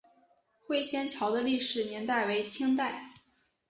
会仙桥的历史年代为清代。